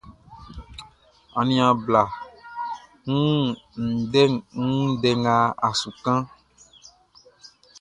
Aniaan bla, n wun ndɛ nga a su kanʼn.